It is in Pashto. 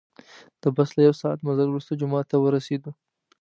د بس له یو ساعت مزل وروسته جومات ته ورسیدو.